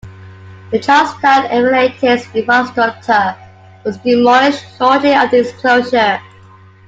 The Charlestown Elevated's infrastructure was demolished shortly after its closure.